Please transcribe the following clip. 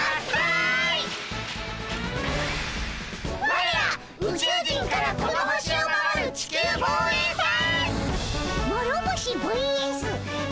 ワレら宇宙人からこの星を守る地球防衛隊！